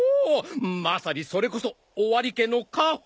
まさにそれこそオワリ家の家宝。